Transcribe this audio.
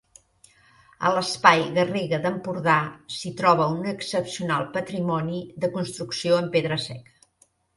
A l'espai Garriga d'Empordà, s'hi troba un excepcional patrimoni de construcció en pedra seca.